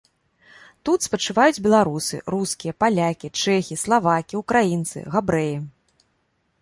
Тут спачываюць беларусы, рускія, палякі, чэхі, славакі, украінцы, габрэі.